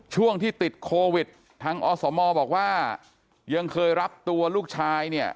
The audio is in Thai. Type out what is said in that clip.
ช่วงที่ติดโควิดทางอสมบอกว่ายังเคยรับตัวลูกชายเนี่ย